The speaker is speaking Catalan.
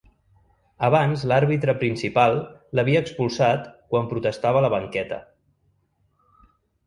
Abans l’àrbitre principal l’havia expulsat quan protestava a la banqueta.